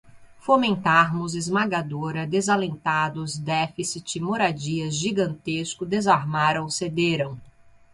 Fomentarmos, esmagadora, desalentados, déficit, moradias, gigantesco, desarmaram, cederam